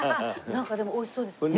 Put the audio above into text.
なんかでも美味しそうですね